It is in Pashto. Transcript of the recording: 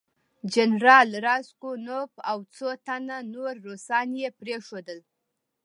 جنرال راسګونوف او څو تنه نور روسان یې پرېښودل.